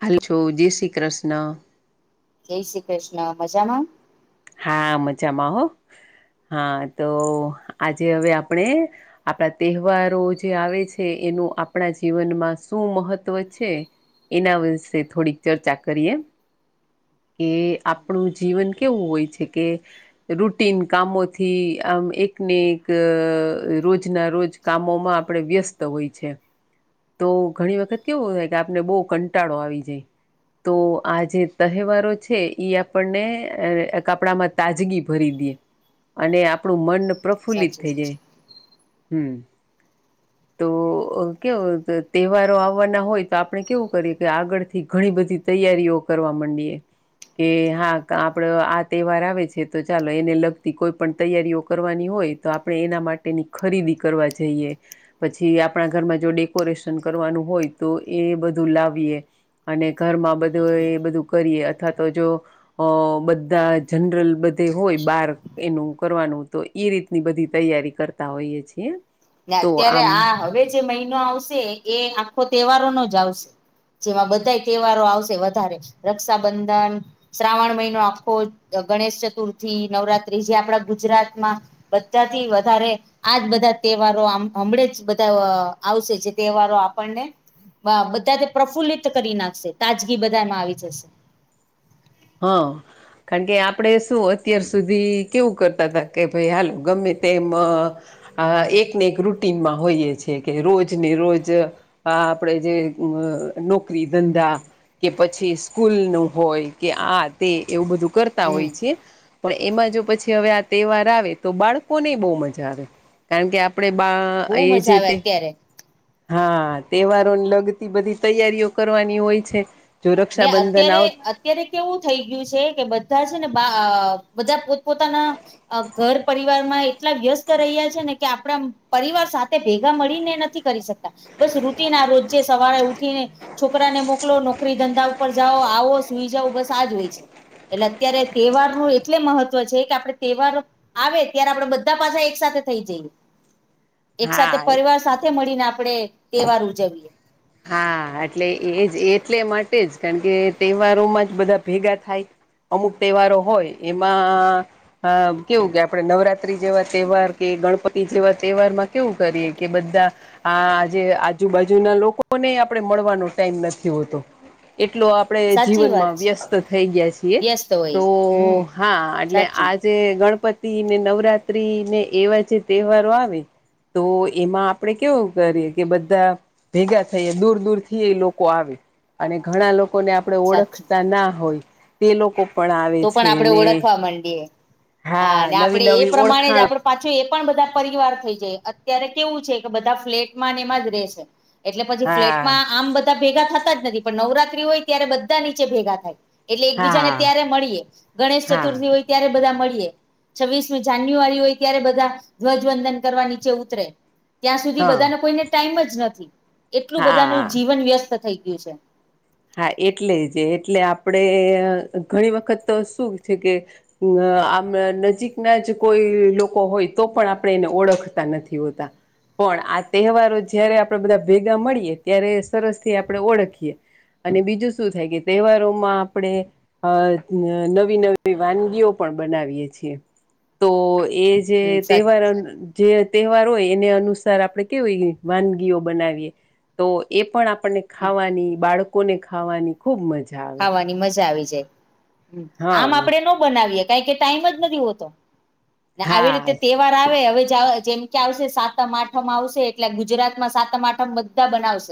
[unintelligible] છો જય શ્રી ક્રષ્ન. જય શ્રી ક્રષ્ન મજામાં. હા મજામાં હો હા તો આજે હવે આપણે આપણા તહેવારો જે આવે છે એનું આપણા જીવનમાં શું મહત્ત્વ છે એના વિશે થોડીક ચર્ચા કરીએ. કે આપણું જીવન કેવું હોય છે કે રૂટીન કામોથી આમ એકને એક રોજ ના રોજ કામોમાં આપણે વ્યસ્ત હોય છે. તો ઘણી વખત કેવું હોય કે આપને બહુ કંટાળો આવી જાય. તો આ જે તહેવારો છે ઈ આપણને અ તો આપડામાં તાજગી ભરી દે અને આપણું મન પ્રફુલ્લિત સાચી થઈ વાત છે. જાય. હમ. તોઅ કેવું તહેવારો આવવાના હોય તો આપણે કેવું કરીએ કે આગળથી ઘણી બધી તૈયારીઓ કરવા મંડીએ કે હા ક આપડ આ તહેવાર આવે છે તો ચાલો એને લગતી કોઈ પણ તૈયારીઓ કરવાની હોય તો આપણે એના માટ તેની ખરીદી કરવા જઈએ પછી આપણા ઘરમાં જો ડેકોરેશન કરવાનું હોય તો એ બધું લાવીએ અને ઘરમાં બધું એ બધું કરીએ અથવા તો જો અ બધા જનરલ બધે હોય બાર એનું કરવાનું તો એ રીતની બધી તૈયારી કરતા હોઈએ છીએ. ને તો અત્યારે આમ આ હવે જે મહિનો આવશે એ આખો તહેવારોનો જ આવશે. જેવા બધા તહેવારો આવશે વધારે રક્ષાબંધન શ્રાવણ મહિનો આખો ગણેશ ચતુર્થી નવરાત્રી જે આપડા ગુજરાત ના બધા થી વધારે આજ બધા તહેવારો હમણાં જ બધા આવશે જે તહેવારો આપણને વા બધા તે પ્રફુલ્લિત કરી નાખશે તાજગી બધામાં આવી જશે હા. કારણ કે આપણે શું અત્યાર સુધી કેવું કરતા હતા કે ભાઈ હાલો ગમે તેમ હા એકને એક રૂટિનમાં હોઈએ છે કે રોજ ને રોજ આ આપણેે જે અ નોકરી ધંધા કે પછી સ્કૂલ નું હોય કે આ તે એવું બધું કરતા હમ હોય છે. પણ એમાં જો પછી હવે આ તહેવાર આવે તો બાળકોને બહુ મજા આવે. કારણ કે આપણે બા બહુ એ જ મજા આવે રીતે અત્યારે હા તહેવારોને લગતી બધી તૈયારીઓ કરવાની હોય છે સુ ને રક્ષાબંધન અત્યારે આવ અત્યારે કેવું થઈ ગયું છે કે બધા છે ને બધા પોત પોતાના ઘર પરિવાર માં એટલા વ્યસ્ત રહ્યા છે ને કે આપડા પરિવાર સાથે ભેગા મળીને નથી કરી શકતા બસ રુટિ ના રોજે સવારે ઉઠીને છોકરાને મોકલો નો ફરી ધંધા ઉપર જાઓ આવો સુઈ જાઓ બસ આજ હોય છે એટલે અત્યારે તહેવાર નું એટલે મહત્વ છે કે આપડે તહેવાર આવે ત્યારે આપડે બધા પાછા એક સાથે થઈ જઈએ [inaudible] એક સાથે હા પરિવાર સાથે મળીને આપડે તહેવાર ઉજવીએ હા એટલે એજ એટલે માટે જ કારણ કે તહેવારોમાં જ બધા ભેગા થાય અમુક તહેવારો હોય એમાં હા કેવું કે આપડે નવરાત્રી જેવા તહેવાર કે ગણપતિ જેવા તહેવાર માં કેવું કરીએ કે બધા આ જે આજુબાજુ ના લોકો કોને આપણે મળવાનો ટાઈમ નથી હોતો એટલો આ પણે સાચી વાત જીવનમાં છે વ્યસ્ત થઈ ગયા છીએ વ્યસ્ત હોય તો હમ હા એટલે સાચું આજ જે ગણપતિ ને નવરાત્રી ને એવા જે તહેવારો આવે તો એમાં આપડે કેવું કરીએ કે બધા ભેગા થઈ દૂર દૂર થી એ લોકો આવે અને ઘણા લોકોને આપણે સાચું ઓળખતા ના હોય તે લોકો પણ આવે તો પણ છે આપડે ને ઓળખવા માંડીએે હા અને નવી આપડી એ નવી પ્રમાણે જ ઓળખાણ આપડુ પાછું એ પણ બધા પરિવાર થઈ જાય અત્યારે કેવું છે કે બધા ફ્લેટ માં એમાં જ રહેશે એટલે પછી હા ફ્લેટમાં આમ બધા ભેગા થતા જ નથી પણ નવરાત્રી હોય ત્યારે બધા નીચે ભેગા થાય એટલે એકબીજાને હા ત્યારે મળીએ ગણેશ હા ચતુર્થી હોય ત્યારે બધા મળીએ છવ્વીસમી જાન્યુઆરી હોય ત્યારે બધા ધ્વજવંદન કરવા નીચે ઉતરે ત્યાં સુધી હા બધાનો કોઈને ટાઈમ જ નથી એટલું હા બધાનું જીવન વ્યસ્ત થઈ ગયું છે હા એટલે જ એટલે આપડે ઘણી વખત તો શું છે કે અ આમ નજીકના જ કોઈ લોકો હોય તો પણ આપણે એને ઓળખતા નથી હોતા પણ આ તહેવારો જયારે આપણેે બધા ભેગા મળીએ ત્યારે સરસ થી આપણે ઓળખીએ અને બીજું શું થાય કે તહેવારોમાં આપડે અ નવી નવી વાનગીઓ પણ બનાવીએ છીએ તો એજ જે હમ સાચું તહેવાર જે તહેવાર હોય એને અનુસાર આપણે કેવી હોય વાનગીઓ બનાવીએ તો એ પણ આ પણને ખાવાની બાળકોને ખાવાની ખૂબ મજ ખાવાની મજા આવી જાય આમ હા આપડે નો બનાવીયે કાઈ કે ટાઈમ જ નથી હોતો ને આવી રીતે હા તે વાર આવે હવે જેમ કે આવશે સાતમ આઠમ આવશે એટલે ગુજરાત માં સાતમ આઠમ બધા બનાવ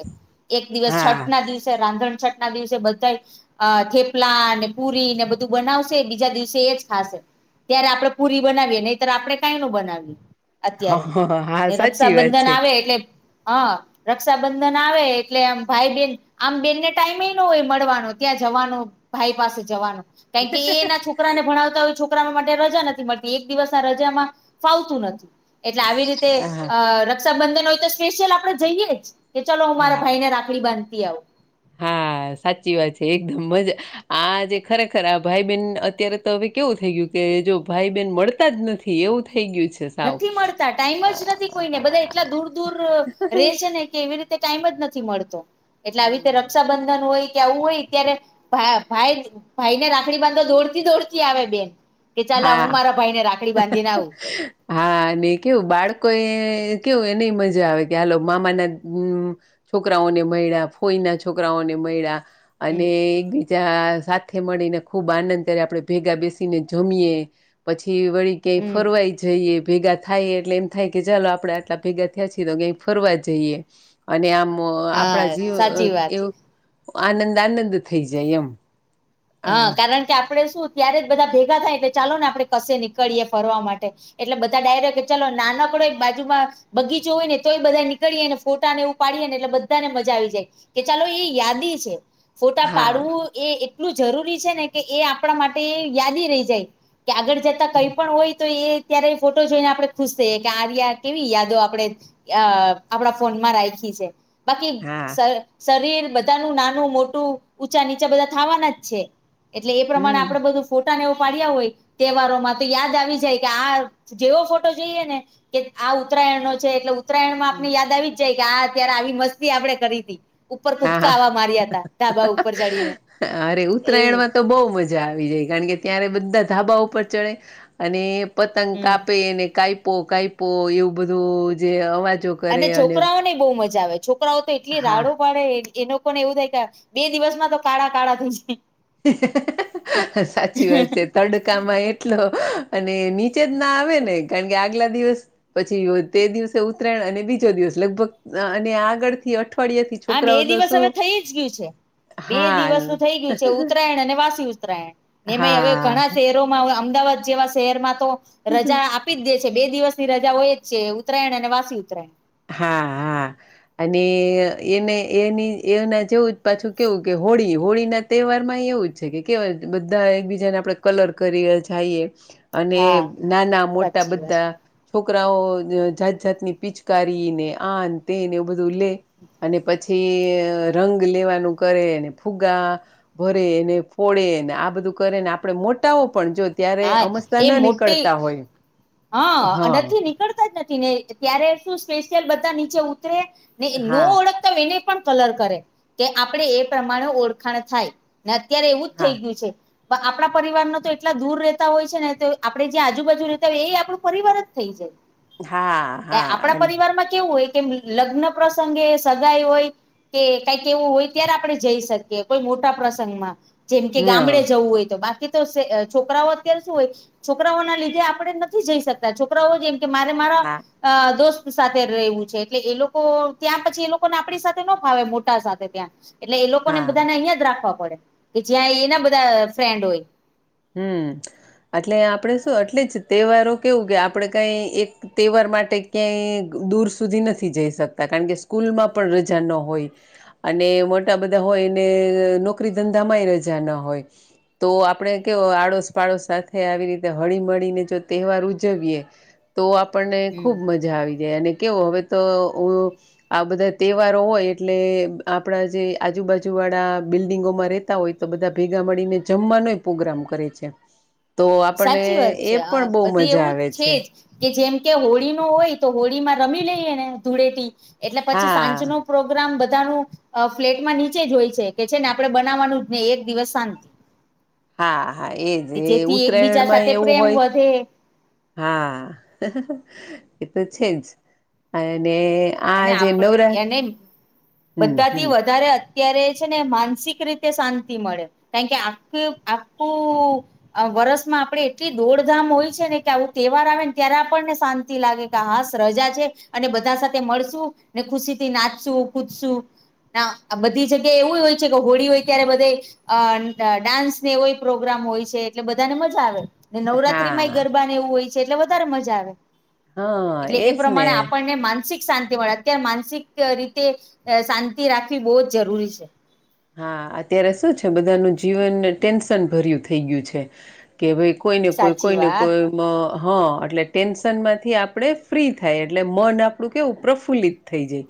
એક દિવસ હા છઠ ના દિવસે રાંધણ છઠ ના દિવસે બધા અ થેપલા પુરી ને બધું બનાવશે બીજા દિવસે એજ ખાશે ત્યારે આપડણે પુરી બનાવીએ નહી આપડણે કઈ ન બનાવીએ અત્યારે હા સાચી વાત રક્ષાબંધન છે આવે એટલે હા રક્ષાબંધન આવે એટલે આમ ભાઈ બેેન આમ બેનને ટાઈમ ન હોય મળવાનો ત્યાં જવાનો ભાઈ પાસે જવાનો કારણ કે એના છોકરાને ભણાવતા હોય છોકરા મા માટે રજા નથી મળ એક દિવસ રજામાં ફાવતું નથી એટલે આવી રીતે હા અ ર ક્ષાબંધન હોય તો સ્પેશિયલ આપડે જઈએે જ કે ચાલો હું મારા હા ભાઈ ને રાખડી બાંધતી આવ હા સાચી વાત છે એકદમ મજા આ જેે ખરેખર આ ભાઈ બેન અત્યારે તો હવે કેવું થઈ ગયું કે જો ભાઈબેન મળતા જ નથી તી એવું થઈ ગયુ છે સાવ નથી મળતા ટાઈમ જ નથી કોઈને બધા એટલા દૂર દૂર રે હમ છે ને એવી રીતે કાઈમ જ નથી મળતો એટલે આવી રીતે રક્ષાબંધન હોય કે આવું હોય ત્યારે ભ ભાઈ ભાઈ ને રાખડી બાંધો દોડતી દોડતી આવે બેન કે ચાલ હા હું મારા ભાઈ ને રાખડી બાંધીને આવું. હા છોકરાઓને મળ્યા ફોઈના છોકરાઓને મળ્યા હમ અને એકબીજા સાથે મળીને ખૂબ આનંદ કરી આપણે ભેગા બેસીને જમીએ પછી વળી ક્યાય હમ ફરવાય જઈએ ભેગા થાય એટલે એમ થાય કે ચાલો આપડે આટલા ભેગા થયા છીએ તો કઈ ફરવા જઈએ અને આમ આપણા હા જીવ સાચી વાત એવું આનંદ આનંદ થઈ જાય એમ હા કારણ કે આપડ શું ત્યારે જ બધા ભેગા થાયટલે ચાલો ને આપડણે કશે નીકળીએ ફરવા માટે એટલે બધા ડાયરેક્ટ ચાલો નાનકડો એક બાજુમાં બગીચો હોય ને તો બધા નીકળીએ નેોટા ને એવું પાડીએ ને એટલે બધાને મજા આવી જાય. કે ચાલો એ યાદી છે. ફોટા હા પાડવું એ એટલું જરૂરી છે ને કે એ આપણા માટે યાદી રહી જાય. કે આગળ જતા કઈ પણ હોય તો એ ત્યારે એ ફોટો જોઈને આપડણે ખુશ થઈએ કે આર્યા કેવી યાદો આપડે અ આપણા ફોનમાં રાખી છે. બાકી હા શરીર બધાનું નાનું મોટું ઊંચા નીચા બધા થવાના એટલે એ પ્રમાણે હમ આપડે બધું. ફોટાનેવ પાડ્યા હોય તહેવારોમાં તો યાદ આવી જાય કે આ જેવો ફોટો જોઈએ ને કે આ ઉત્તરાયણ નો છે એટલે ઉત્તરાયણ માં હમ આપને યાદ આવી જ જાય કે આ અત્યારે આવી મસ્તી આપડણે કરી હતી. ઉપર કૂદકા હા આવા માર્યા હતા ઢાબા ઉપર ચડીને અરે ઉત્તરાયણ એવું માં તો બહ મજા આવી જાય કારણ કે ત્યારે બધા ધાબા ઉપર ચડે અને પતંગ હમ કાપે ને કાપો કાો એવું બધું જે અવાજો અને છોકરાઓ ની બહુ મજા આવે છોકરાઓ તો એટલી હા રાડો પાડે એનો લોકોને એવું થાય કે બે દિવસમાં તો કાળા કાળા થશે. સાચી વાત છે તડકામાં એટલો અને ની ચે ના આવે ને કારણ કે આગલા દિવસ પછી તે દિવસે ઉત્તરાયણ અને બીજો દિવસ લગભગ અને આગળ થી અ ફળ આ બે છોકરાઓ તો દિવસ શું હવે થઈ જ ગયું છે બે હા દિવસનું થઈ ગયું છે ઉત્તરાયણ અને વાસી ઉત્તરાયણ હવે હા ઘણા શહેરોમાં અમદાવાદ જેવા શહેરમાં તો રજા આપી જ દે છે બે દિવસ ની રજા હોય જ છે ઉત્તરાયણ અને વાસી ઉત્તરાયણ હા હા અને એને એની એના જેવું જ પાછું કેવું કે હોળી હોળીના તહેવારમાં એવું જ છે કેય બધા એકબીજાને આપણે કલર કરી જઈએ અને હા નાના મોટા સાચી વાત બધા છોકરાઓ જાત જાતની પીચ કરીીને આનતેને બધુલે અને પછી રંગ લેવાનું કરેને ફુગા ભરે એને ફોડે ને આ બધું કરે ને આપડે મોટાઓ પણ જો ત્યારે હા અમસ્તા ન નીકળતા હોઈ. હહ અ નથી નીકળતા જ નથી ને ત્યારે શું સ્પેશિયલ બધા નીચે ઉતરે ને નો હા ઓળખતા હોય એને પણ કલર કરે કે આપણે એ પ્રમાણે ઓળખાણ થાય. ને અત્યારે એવું જ થઇ હા ગયું છે. આપણા પરિવાર ન તો એટલા દૂર રહેતા હોય છે ને તો આપડે જે આજુબાજુ એ આપણું પરિવાર જ થઈ હા જાય આપણા હા પરિવારમાં કેવું હોય. કેમ લગ્ન પ્રસંગે સગાઈ હોય. કે કઈક એવું હોય ત્યારે આપણે જઈ શકીએ કોઈ મોટા પ્રસંગમાં જેમ કે ગામડે હા જવું હોય તો બાકી તો છોકરાઓ અત્યારે શું હોય છોકરાઓના લીધે આપણે નથી જઈ શકતા છોકરાઓ જેમ કે મારે મારા હા અ દોસ્ત ની સાથે રેવું છે એટલે એ લોકો ત્યાં પછી એ લોકોને આપણી સાથે ન ફાવે મોટા સાથે ત્યાં. એટલે એ લોકોને હા બધાને અહિયાં જ રાખવા પડે. કે જ્યાં એના બધા ફ્રેન્ડ હોય. હમ એટલે આપડે શું અટલે જ તહેવારો કેવું કે આપડે કઈ એક તહેવાર માટે ક્યાંય દૂર સુધી નથી જઈ શકતા કારણ કે સ્કૂલમાં પણ રજા ન હોય. અને મોટા બધા હોય ને નોકરી ધંધામાંય રજા ન હોય. તો આપણે કે આડોશ પાડોશ સાથે આવી રીતે હળી મળીને જો તહેવાર ઉજવીએ. તો આપણને હમ ખુબ મજા આવી જાય અને કેવો હવે તો આ બધા તહેવારો હોય એટલે આપણા જે આજુબાજુ વાળા બિલ્ડિંગોમાં રહેતા હોય. તો બધા ભેગા મળીને જમવાનોય પોગ્રામ કરે છે. તો આપણને સાચી વાત એ છે પણ આ બહુ બધી મજા એવું આવે છે. જ કે જેમ કે હોળીનો હોય તો હોળીમાં રમી લઈએ ને ધૂળેટી એટલે પછી હા સાંજનો પ્રોગ્રામ બધાનું અ ફ્લેટમાં નીચે જ હોય છે. કે છે ને આપણે બનાવાનું જ નહી એક દિવસ શાંતિ. હા હા એજ એ જેથી એકબીજા ઉત્તરાયણમાં એ સાથે એવું પ્રેમ હોય. વધે હા એતો છે જ અને અને આ જે આપ નવરાત્ર એને હમ બધાથી હમ વધારે અત્ અત્યારે છે ને માનસિક રીતે શાંતિ મળે. કારણ કે આખે આખું અ વરસમાં આપડે એટલી દોડધામ હોય છે ને કે આવું તહેવાર આવે ને ત્યારે આપણને શાંત તી લાગે કે હાશ રજા છે અને બધા સાથ થે મળશું ને ખુશીથી નાચશું, કૂદશું. ના આ બધી જગ્યાએ એવું જ હોય છે કે હોળી હોય ત્યારે બધે અ ડાન્સને એવોય પ્રોગ્રામ હોય છે. એટલે બધાને મજા આવે. ને નવરાત્રી માંય હા ગરબાને એવું હોય છે એટલે વધારે મજા આવે. હા એટલે એ એજ ને પ્રમાણે આપણને માન શાંતિ મળે અત્યારે માનસિક રીતે અ શાંતિ રાખવી બહુ જ જરૂરી છે. હા અત્યારે શું છે બધાનું જીવન ને ટેન્શન ભર્યું થઈ ગયું છે કે ભાઈ કોઈને કોઈ સાચી કોઈને વાત કોઈ હહ એટલે ટેન્શનમાંથી આપણે ફ્રી થાય એટલે મન આપણું કેવું પ્રફુલ્લિત થઈ જઈ.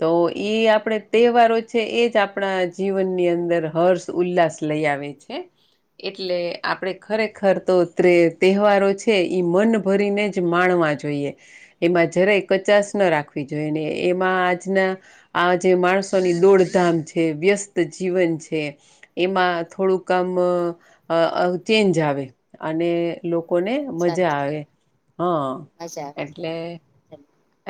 તો ઈ આપણે તહેવારો છે એ જ આપણા જીવનની અંદર હર્ષ, ઉલ્લાસ લઈ આવે છે. એટલે આપણે ખરેખર તો ત્રે તહેવારો છે ઈ મન ભરીને જ માણવા જો જોઈએ. એમાં જરાય કચાસ ન રાખવી જોઈને એમાં આજના આ જે માણસોની દોડધામ છે. વ્યસ્ ત જીવન છે. એમાં થોડુંક આમ અ ચેન્જ આવે. અને લોકોને મજા સાચી આવે. હહ મજા એટલે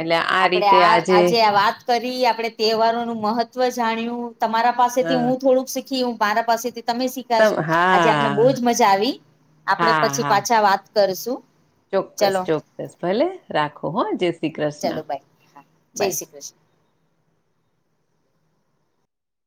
એટલે આ આપણેે રીતે આ આજે આ વાત કરી આપણે તહેવારોનું મહત્વ જાણ્યું, તમારા પાસેથી હા હું થોડુંક શીખ ખી હું મારા પાસેથી તમે શીખ ખ્યા તમ હશો. આજે આપને બહુ હા જ મજા આવી. આપડે હા પછી હા પાછા વાત કરશું. ચોક્કસ ચલો ચોક્કસ. ભલે રાખો હહ જય શ્રી કૃષ્ણ. ચલો બાય હા જય બાય શ્રી કૃષ્ણ